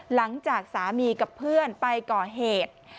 หลังจากสามีกับเพื่อนไปก่อเหตุ